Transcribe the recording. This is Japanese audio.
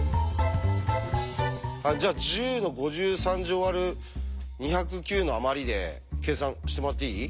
じゃあ１０の５３乗割る２０９のあまりで計算してもらっていい？